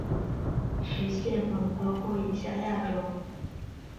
食蟹獴包括以下亚种